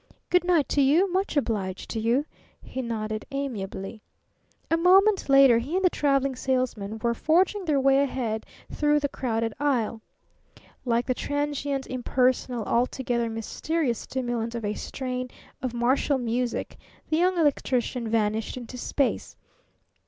"Good night to you. Much obliged to you," he nodded amiably. A moment later he and the Traveling Salesman were forging their way ahead through the crowded aisle. Like the transient, impersonal, altogether mysterious stimulant of a strain of martial music, the Young Electrician vanished into space.